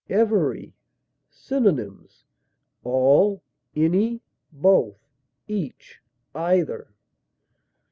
EVERY. Synonyms: all, any, both, each, either.